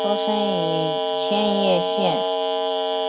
出生于千叶县。